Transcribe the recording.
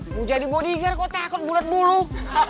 mau jadi bodyguard kok takut bulet buluh